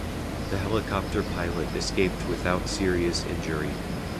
The helicopter pilot escaped without serious injury.